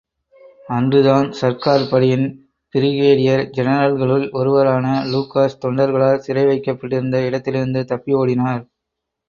அன்றுதான் சர்க்கார்படையின் பிரிகேடியர் ஜெனரல்களுள் ஒருவரான லூகாஸ் தொண்டர்களால் சிறை வைக்கப்பட்டிருந்த இடத்திலிருந்து தப்பி ஓடினார்.